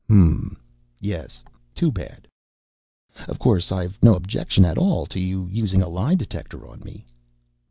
"Hm. Yes. Too bad." "Of course, I've no objection at all to your using a lie detector on me."